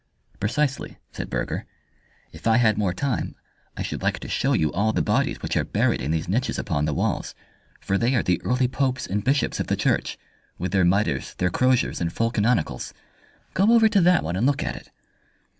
"Precisely," said Burger. "If I had more time I should like to show you all the bodies which are buried in these niches upon the walls, for they are the early popes and bishops of the Church, with their mitres, their croziers, and full canonicals. Go over to that one and look at it!"